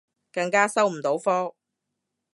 更加收唔到科